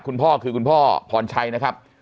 คุณพ่อคือคุณพ่อพรชัยนะครับ